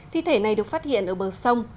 thi thể này được phát hiện ở bờ sông